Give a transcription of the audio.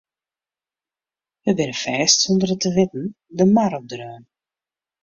We binne fêst sûnder it te witten de mar opdreaun.